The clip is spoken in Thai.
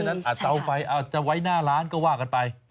เพราะฉะนั้นเอาไฟเอาไว้หน้าร้านก็ว้ากันไป